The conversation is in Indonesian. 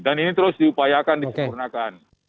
dan ini terus diupayakan disempurnakan